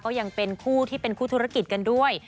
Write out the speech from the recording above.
ยังเป็นคู่ที่เป็นคู่ธุรกิจกันด้วย